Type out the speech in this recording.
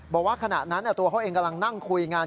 บอกว่าขณะนั้นตัวเขาเองกำลังนั่งคุยงาน